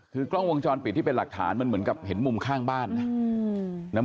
คือกล้องวงจรปิดที่เป็นหลักฐานมันเหมือนกับเห็นมุมข้างบ้านนะ